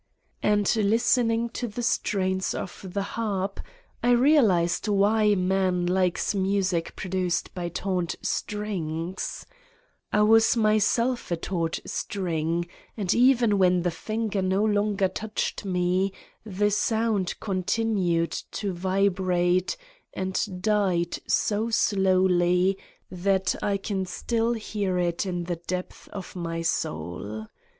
And listening to the strains of the harp I re alized why man likes music produced by taut strings : I was myself a taut string and even when the finger no longer touched me, the sound con tinued to vibrate and died so slowly that I can still hear it in the depths of my soul.